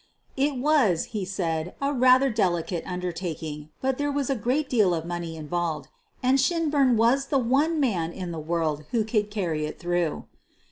It was, he said, a rather delicate undertaking, but there was a great deal of money involved — and Shinburn was the one man in the world who could carry it through.